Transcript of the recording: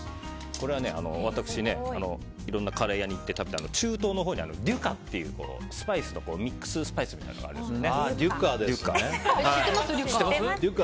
これは私いろんなカレー屋さんに行って食べた中東のほうにあるデュカというミックススパイスみたいなものがあるんです。